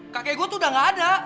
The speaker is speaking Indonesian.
kakek gue tuh udah gak ada